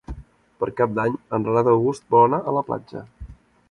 Per Cap d'Any en Renat August vol anar a la platja.